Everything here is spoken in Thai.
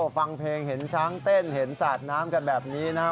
ฟังเพลงเห็นช้างเต้นเห็นสาดน้ำกันแบบนี้นะฮะ